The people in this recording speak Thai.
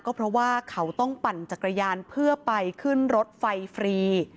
ก็เพราะว่าเขาต้องปั่นจักรยานเพื่อไปขึ้นรถไฟฟรี